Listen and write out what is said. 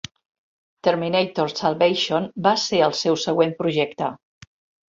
"Terminator Salvation" va ser el seu següent projecte.